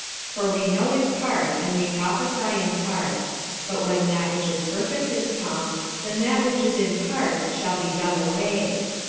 46:013:009 For we know in part, and we prophesy in part. 46:013:010 But when that which is perfect is come, then that which is in part shall be done away.